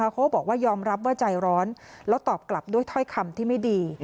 เขาบอกว่ายอมรับว่าใจร้อนแล้วตอบกลับด้วยถ้อยคำที่ไม่ดี